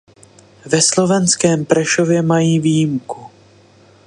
Ve slovenském Prešově mají výjimku.